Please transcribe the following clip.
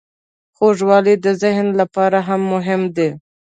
خوږوالی د ذهن لپاره هم مهم دی.